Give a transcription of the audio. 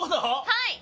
はい！